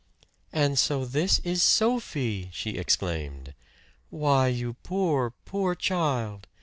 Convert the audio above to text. "And so this is Sophie!" she exclaimed. "Why you poor, poor child!"